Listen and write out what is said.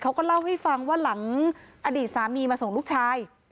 เขาก็เล่าให้ฟังว่าหลังอดีตสามีมาส่งลูกชาย